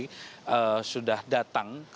yang sudah datang ke kpk dan masuk